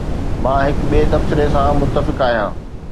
مان هڪ ٻئي تبصري سان متفق آهيان